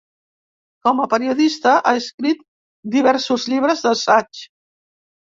Com a periodista ha escrit diversos llibres d'assaig.